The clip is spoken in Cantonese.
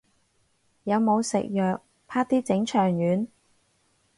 有冇食藥，啪啲整腸丸